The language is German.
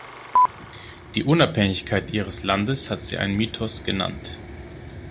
Die Unabhängigkeit ihres Landes hat sie einen „Mythos“ genannt.